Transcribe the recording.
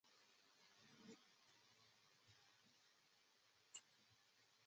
通过对天体的测量和研究形成了早期的天文学。